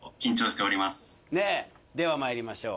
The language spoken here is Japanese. ねぇではまいりましょう。